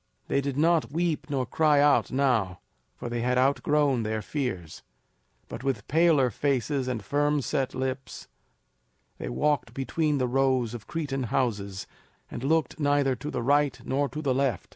They did not weep nor cry out now, for they had outgrown their fears. But with paler faces and firm set lips, they walked between the rows of Cretan houses, and looked neither to the right nor to the left.